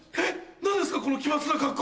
何ですかこの奇抜な格好。